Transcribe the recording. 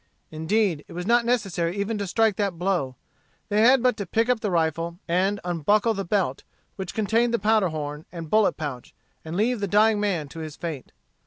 Indeed, it was not necessary even to strike that blow. They had but to pick up the rifle, and unbuckle the belt which contained the powder horn and bullet pouch, and leave the dying man to his fate.